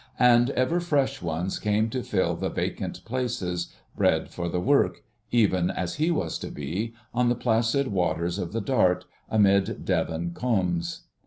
and ever fresh ones came to fill the vacant places, bred for the work—even as he was to be—on the placid waters of the Dart, amid Devon coombes.